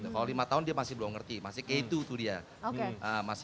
kalau lima tahun dia masih belum ngerti masih ke itu tuh dia